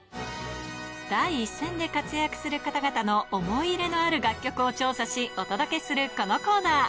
第一線で活躍する方々の思い入れのある楽曲を調査し、お届けするこのコーナー。